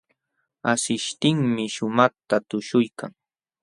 Asishtinmi shumaqta tuśhuykan.